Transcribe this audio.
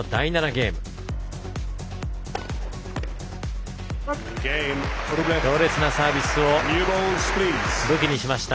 ゲーム強烈なサービスを武器にしました。